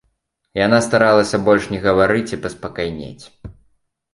Яна старалася больш не гаварыць і паспакайнець.